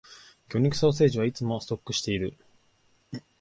魚肉ソーセージはいつもストックしている